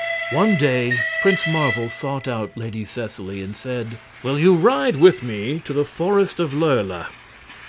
One day Prince Marvel sought out Lady Seseley and said: "Will you ride with me to the Forest of Lurla?"